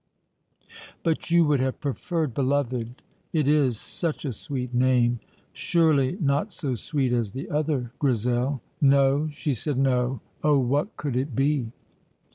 "But you would have preferred 'beloved'?" "It is such a sweet name." "Surely not so sweet as the other, Grizel?" "No," she said, "no." (Oh, what could it be!)